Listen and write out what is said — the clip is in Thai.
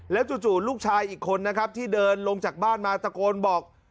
จู่ลูกชายอีกคนนะครับที่เดินลงจากบ้านมาตะโกนบอก